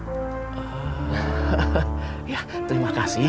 tapi alhamdulillah udah dibalikin ke dinas sosial